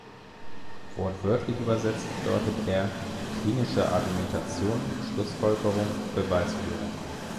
Wortwörtlich übersetzt bedeutet er „klinische Argumentation, Schlussfolgerung, Beweisführung“.